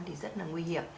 thì rất là nguy hiểm